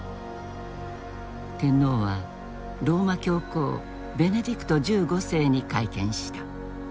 天皇はローマ教皇ベネディクト１５世に会見した。